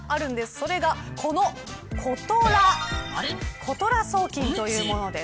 それが、このことら送金というものです。